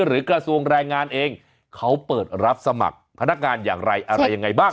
กระทรวงแรงงานเองเขาเปิดรับสมัครพนักงานอย่างไรอะไรยังไงบ้าง